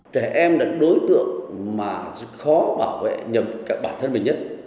trẻ em là đối tượng mà khó bảo vệ nhập bản thân mình nhất